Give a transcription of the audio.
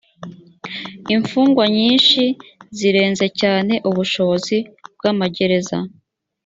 imfungwa nyinshi zirenze cyane ubushobozi bw’amagereza